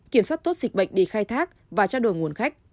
kiểm soát tốt dịch bệnh để khai thác và trao đổi nguồn khách